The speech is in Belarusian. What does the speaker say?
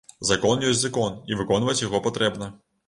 Закон ёсць закон, і выконваць яго патрэбна.